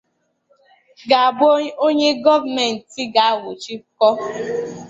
ga-abụ onye gọọmenti ga-anwụchikọ